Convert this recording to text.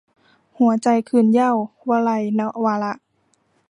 หัวใจคืนเหย้า - วลัย นวาระ